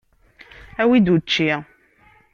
Awi-d učči!